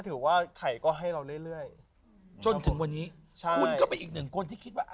ถือว่าไข่ก็ให้เราเรื่อยเรื่อยจนถึงวันนี้ใช่คุณก็เป็นอีกหนึ่งคนที่คิดว่า